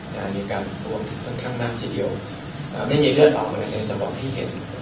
มีการรวมที่ค่อนข้างมากทีเดียวไม่มีเลือดออกอะไรในสมองที่เห็น